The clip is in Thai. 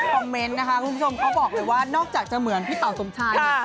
ประเมนติว่านอกแต่มีที่จะเหมือนเป๋าสมชาย